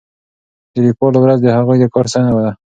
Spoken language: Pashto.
د لیکوالو ورځ د هغوی د کار ستاینه ده.